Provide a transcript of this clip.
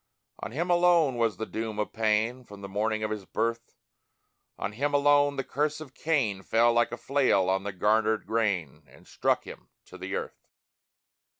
On him alone was the doom of pain, From the morning of his birth; On him alone the curse of Cain Fell, like a flail on the garnered grain, And struck him to the earth!